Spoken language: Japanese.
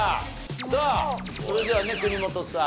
さあそれではね国本さん。